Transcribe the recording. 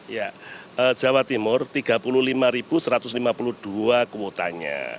ya jawa timur tiga puluh lima satu ratus lima puluh dua kuotanya